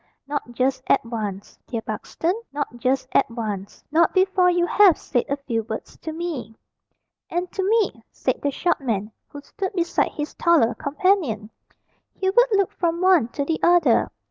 "Not just at once, dear Buxton, not just at once. Not before you have said a few words to me." "And to me," said the short man, who stood beside his taller companion. Hubert looked from one to the other.